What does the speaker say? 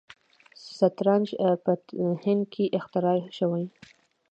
شطرنج په هند کې اختراع شوی.